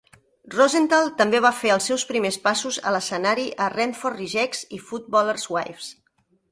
Rosenthal també va fer els seus primer passos a l'escenari a "Renford Rejects" i "Footballers' Wives".